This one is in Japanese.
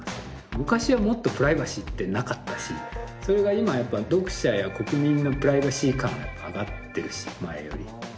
昔はもっとプライバシーってなかったしそれが今読者や国民のプライバシー感は上がってるし前より。